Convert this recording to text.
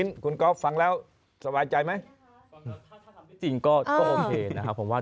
ถ้าทำที่จริงก็โอเคนะครับผมว่า